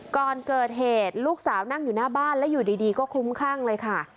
ก่อนเกิดเหตุลูกสาวนั่งอยู่หน้าบ้านแล้วอยู่ดีก็คลุ้มคลั่งเลยค่ะ